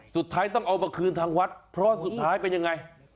สุดท้ายต้องเอามาคืนทางวัดเพราะสุดท้ายเป็นยังไง